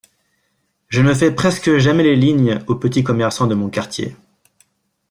Je ne fais presque jamais les lignes aux petits commerçants de mon quartier.